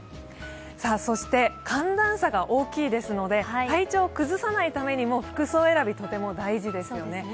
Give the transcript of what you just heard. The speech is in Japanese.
そして寒暖差が大きいですので体調を崩さないためにも服装選び、とても大事ですよね。